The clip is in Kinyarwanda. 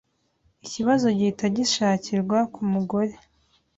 ikibazo gihita gishakirwa ku mugore,